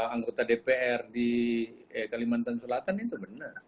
anggota dpr di kalimantan selatan itu benar